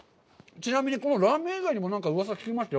ちなみに、このラーメン以外にもうわさを聞きましたよ。